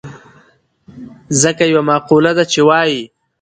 ځکه يوه مقوله ده چې وايي.